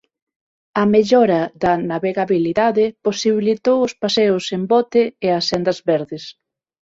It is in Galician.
A mellora da navegabilidade posibilitou os paseos en bote e as sendas verdes.